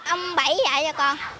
ông bẫy dạy cho con